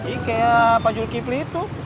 ini kayak pak jul kipli itu